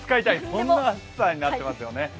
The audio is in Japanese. そんな暑さになってますよね。